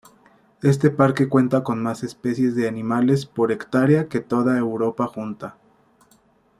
Este parque cuenta con más especies de animales por hectárea que toda Europa junta.